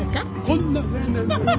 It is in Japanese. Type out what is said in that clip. こんな青年です。